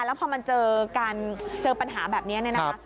แล้วพอมันเจอปัญหาแบบนี้นะครับ